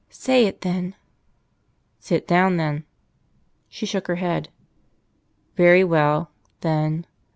"Say it, then." "Sit down, then." She shook her head. "Very well, then....